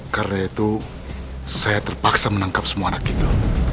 karena itu saya terpaksa menangkap semua anak itu